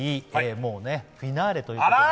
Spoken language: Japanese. もうフィナーレということで。